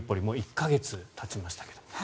もう１か月たちましたが。